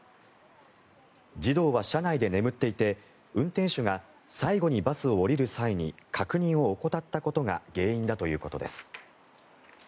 児童は車内で眠っていて運転手が最後にバスを降りる際に確認を怠ったことが原因だということです。